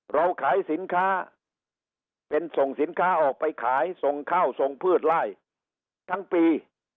เราขายสินค้าเป็นส่งสินค้าออกไปขายส่งข้าวส่งพืชไล่ทั้งปี